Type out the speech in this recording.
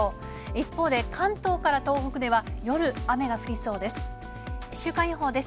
一方で、関東から東北では夜、雨が降りそうです。